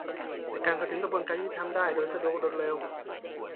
ในการเข้าถึงกระบวนการยุติธรรมได้โดยสะดวกรวดเร็ว